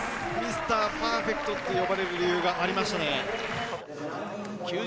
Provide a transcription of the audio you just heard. ミスターパーフェクトって言われる理由がありましたね。